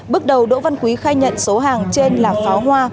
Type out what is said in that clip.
bước đầu đỗ văn quý khai nhận số hàng trên là pháo hoa